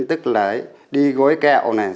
tức là đi gối kẹo này